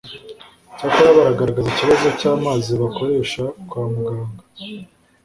cyakora baragaragaza ikibazo cy'amazi bakoresha kwa muganga